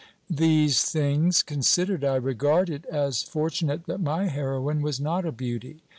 These things considered, I regard it as fortunate that my heroine was not a beauty.